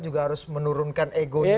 juga harus menurunkan egonya